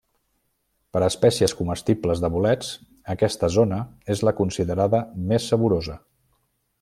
Per a espècies comestibles de bolets aquesta zona és la considerada més saborosa.